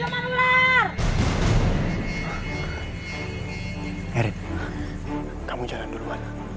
merit kamu jalan duluan